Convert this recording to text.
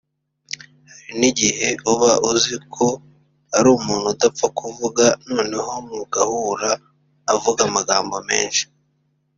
hari n’igihe uba uziko ari umuntu udapfa kuvuga noneho mugahura avuga amagambo menshi